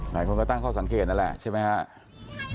หลายคนก็ตั้งข้อสังเกตนั่นแหละใช่ไหมครับ